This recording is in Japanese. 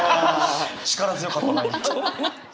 あ力強かった。